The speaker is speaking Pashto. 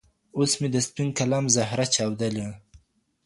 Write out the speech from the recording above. اوس مي د سپين قلم زهره چاودلې